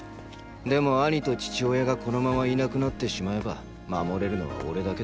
でも兄と父親がこのままいなくなってしまえば守れるのは俺だけだ。